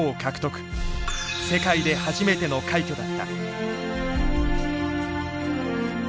世界で初めての快挙だった。